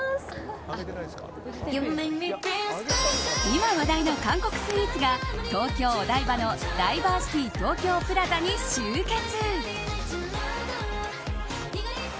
今話題の韓国スイーツが東京・お台場のダイバーシティ東京プラザに集結。